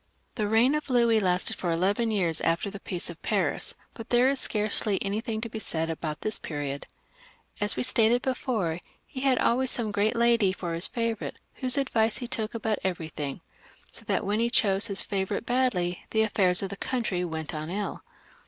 The reign of Louis lasted for eleven more years after 374 LOUIS XV. [CH. the peace of Paris, but there is scarcely anything to .be said about them. As I have said, he had always some great lady for his favourite, whose advice he took about everything, so that when he chose his favourite badly the affairs of the country went on ill.